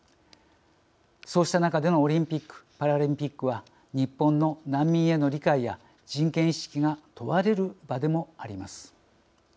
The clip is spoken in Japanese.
そうした中でのオリンピック・パラリンピックは日本の難民への理解や人権意識が問われる場でもあります。